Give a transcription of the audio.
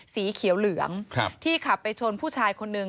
สีเขียวเหลืองที่ขับไปชนผู้ชายคนหนึ่ง